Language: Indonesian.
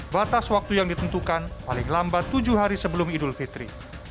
batas waktu yang ditentukan paling lambat tujuh hari sebelum idul fitri